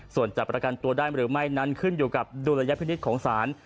ส่วนจะประกันตัวได้หรือไม่นั้นขึ้นอยู่กับดุลยพินิษฐ์ของศาล